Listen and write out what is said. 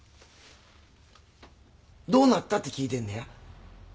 どうなったって聞いてんねや。